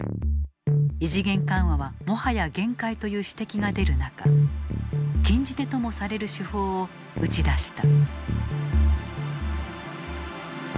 異次元緩和はもはや限界という指摘が出る中禁じ手ともされる手法を打ち出した。